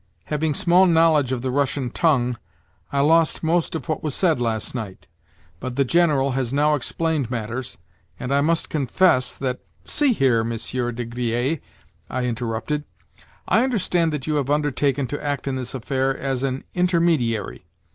Having small knowledge of the Russian tongue, I lost most of what was said last night; but, the General has now explained matters, and I must confess that—" "See here, Monsieur de Griers," I interrupted. "I understand that you have undertaken to act in this affair as an intermediary.